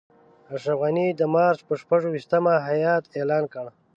اشرف غني د مارچ پر شپږویشتمه هیات اعلان کړ.